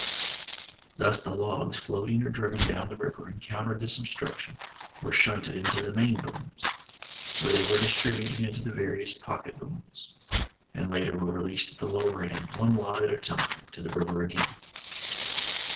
Thus the logs, floating or driven down the river, encountered this obstruc tion; were shunted into the main booms, where they were dis tributed into the various pocket booms; and later were released at the lower end, one lot at a time, to the river again.